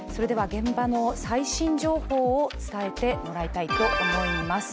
現場の最新情報を伝えてもらいたいと思います。